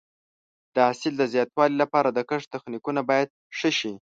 د حاصل د زیاتوالي لپاره د کښت تخنیکونه باید ښه شي.